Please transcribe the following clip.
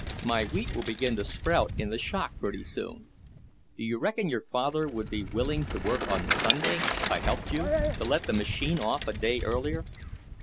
My wheat will begin to sprout in the shock pretty soon. Do you reckon your father would be willing to work on Sunday, if I helped you, to let the machine off a day earlier?"